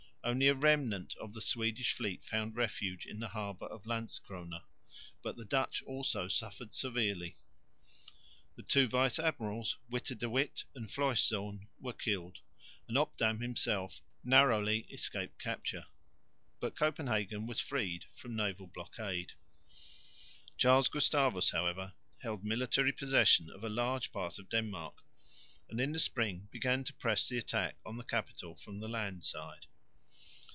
Only a remnant of the Swedish fleet found refuge in the harbour of Landskrona, but the Dutch also suffered severely. The two vice admirals, Witte de With and Floriszoon, were killed, and Obdam himself narrowly escaped capture, but Copenhagen was freed from naval blockade. Charles Gustavus however held military possession of a large part of Denmark, and in the spring began to press the attack on the capital from the land side.